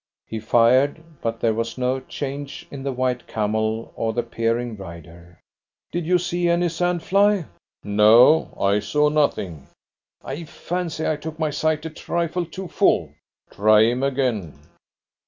He fired, but there was no change in the white camel or the peering rider. "Did you see any sand fly?" "No, I saw nothing." "I fancy I took my sight a trifle too full." "Try him again."